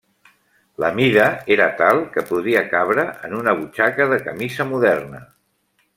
La mida era tal que podria cabre en una butxaca de camisa moderna.